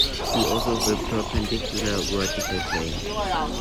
See also the perpendicular vertical plane.